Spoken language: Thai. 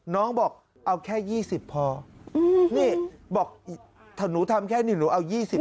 น้องบอกเอาแค่๒๐พอนี่บอกถ้าหนูทำแค่นี้หนูเอา๒๐